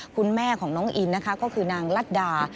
คุณแม่ของน้องอินนะคะก็คือนางลัดดา